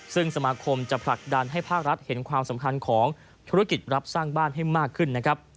ซึ่งสมาคมจะผลักดันให้ภาครัฐเห็นความสำคัญของธุรกิจรับสร้างบ้านให้มากขึ้นนะครับ